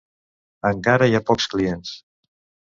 Encara hi ha pocs clients.